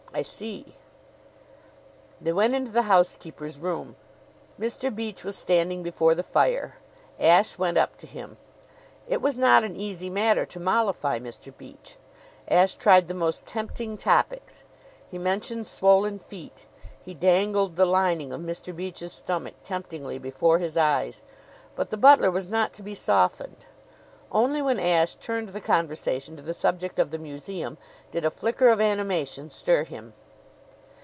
"I see." They went into the housekeeper's room. Mr. Beach was standing before the fire. Ashe went up to him. It was not an easy matter to mollify Mr. Beach. Ashe tried the most tempting topics. He mentioned swollen feet he dangled the lining of Mr. Beach's stomach temptingly before his eyes; but the butler was not to be softened. Only when Ashe turned the conversation to the subject of the museum did a flicker of animation stir him.